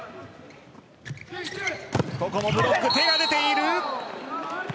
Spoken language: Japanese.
ここもブロック手が出ている。